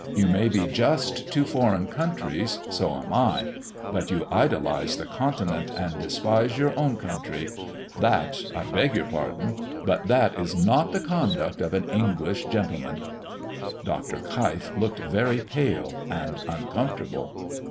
You may be just to foreign countries: so am I. But you idolize the Continent, and despise your own country. That I beg your pardon but that is not the conduct of an English gentleman!" Dr. Keif looked very pale and uncomfortable.